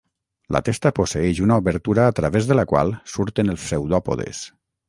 La testa posseeix una obertura a través de la qual surten els pseudòpodes.